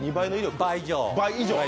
倍以上。